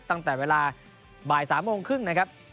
ตั้งแต่เวลาบ่าย๓โมงครึ่งนะครับ